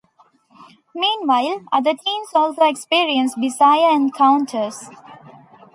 Meanwhile, other teens also experience bizarre encounters.